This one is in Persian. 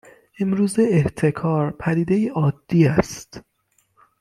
امروزه احتکار پدیده ای عادی است